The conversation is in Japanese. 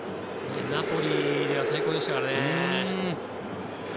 ナポリでは最高でしたからね。